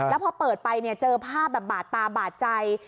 แล้วพอเปิดไปเจอภาพแบบบาดตาบาดใจ